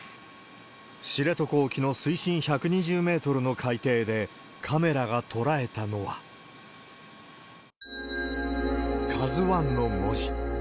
知床沖の水深１２０メートルの海底で、カメラが捉えたのは、ＫＡＺＵＩの文字。